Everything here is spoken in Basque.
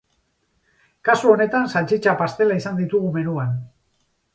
Kasu honetan, saltxitxa pastela izan ditugu menuan.